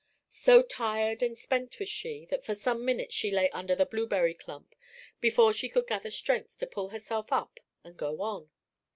So tired and spent was she, that for some minutes she lay under the blueberry clump before she could gather strength to pull herself up and go on.